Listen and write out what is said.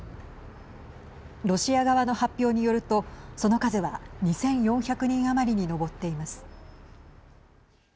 ロシア側の発表によるとその数は、２４００人余りに上っています。